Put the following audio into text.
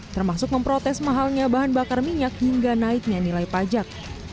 termasuk memprotes mahalnya bahan bakar minyak hingga naiknya nilai pajak